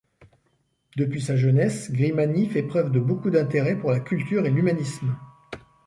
Depuis sa jeunesse Grimani fait preuve de beaucoup d'intérêt pour la culture et l'humanisme.